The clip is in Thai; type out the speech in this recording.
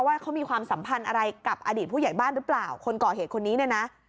ว่าเขามีความสัมพันธ์อะไรกับอดีตผู้ใหญ่บ้านหรือเปล่าคนก่อเหตุคนนี้เนี่ยนะ